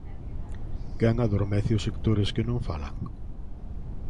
¿Quen adormece os sectores que non falan?